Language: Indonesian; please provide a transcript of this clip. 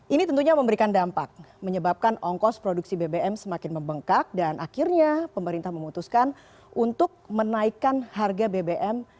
ini tentunya memberikan dampak menyebabkan ongkos produksi bbm semakin membengkak dan akhirnya pemerintah memutuskan untuk menaikkan harga bbm